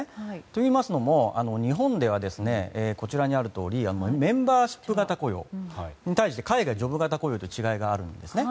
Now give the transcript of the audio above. といいますのも日本ではこちらにあるとおりメンバーシップ型雇用というもので海外はジョブ型雇用という違いがあるんですね。